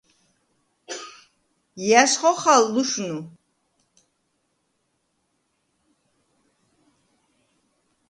ჲა̈ს ხოხალ ლუშნუ?